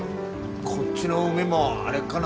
こっちの海も荒れっかな。